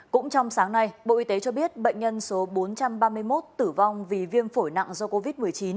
cũng trong sáng nay bộ y tế cho biết bệnh nhân số bốn trăm ba mươi một tử vong vì viêm phổi nặng do covid một mươi chín